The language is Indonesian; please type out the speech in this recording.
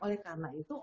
oleh karena itu